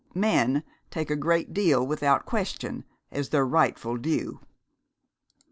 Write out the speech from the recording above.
Men take a great deal without question as their rightful due.